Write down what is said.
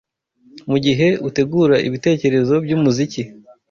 Mugihe utegura ibitekerezo byumuziki